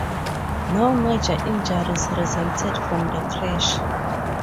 No major injuries resulted from the crash.